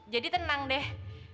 jadi tenang deh